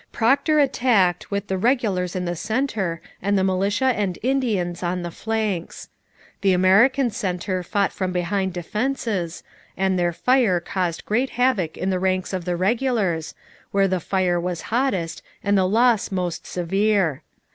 Procter attacked with the regulars in the centre and the militia and Indians on the flanks. The American centre fought from behind defences, and their fire caused great havoc in the ranks of the regulars, where the fire was hottest and the loss most severe.